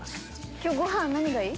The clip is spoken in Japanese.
今日ご飯何がいい？